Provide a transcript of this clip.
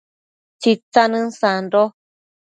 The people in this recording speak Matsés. Tsitsanën sando